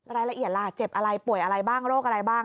รายละเอียดล่ะเจ็บอะไรป่วยอะไรบ้างโรคอะไรบ้าง